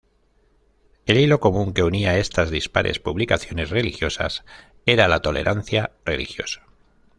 El hilo común que unía estas dispares publicaciones religiosas era la tolerancia religiosa.